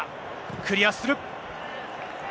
クリアする。